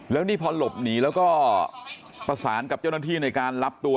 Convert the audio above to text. แล้วนี่พอหลบหนีแล้วก็ประสานกับเจ้าหน้าที่ในการรับตัว